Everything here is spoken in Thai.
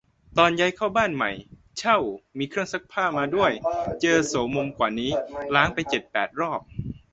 ตอนย้ายเข้าบ้านใหม่ เช่า มีเครื่องซักผ้ามาด้วย เจอโสมมกว่านี้ ล้างไปเจ็ดแปดรอบ